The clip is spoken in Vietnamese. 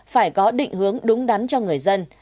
phải có định hướng đúng đắn cho người dân